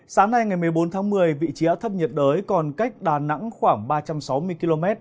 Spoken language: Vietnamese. sáng nay ngày một mươi bốn tháng một mươi vị trí áp thấp nhiệt đới còn cách đà nẵng khoảng ba trăm sáu mươi km